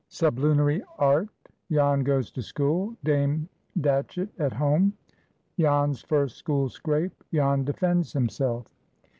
SUBLUNARY ART.—JAN GOES TO SCHOOL.—DAME DATCHETT AT HOME.—JAN'S FIRST SCHOOL SCRAPE.—JAN DEFENDS HIMSELF.